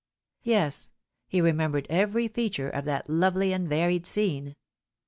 Yes, he remembered every feature of that lovely and varied scene.